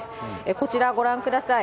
こちら、ご覧ください。